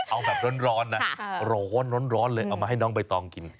เอาแบบร้อนนะร้อนเลยเอามาให้น้องใบตองกิน